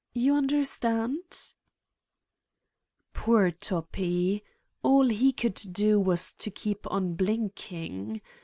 . you understand f '' Poor Toppi: all he could do was to keep on blinking